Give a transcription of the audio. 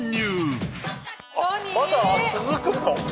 まだ続くの？